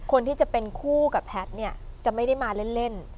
คนที่เป็นคู่กับแพทย์จะไม่มาเล่น